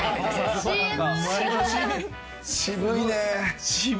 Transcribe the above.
渋いね。